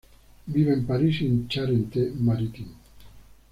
Vive en París y en Charente-Maritime.